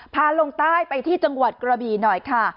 ลงใต้ไปที่จังหวัดกระบีหน่อยค่ะ